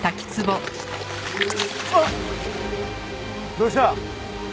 どうした？